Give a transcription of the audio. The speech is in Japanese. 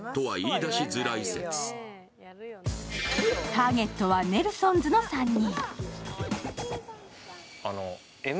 ターゲットはネルソンズの３人。